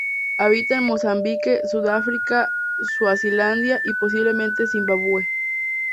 Habita en Mozambique, Sudáfrica, Suazilandia y posiblemente Zimbabue.